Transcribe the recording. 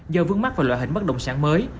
do vướng mắt về loại hình bất động sản mới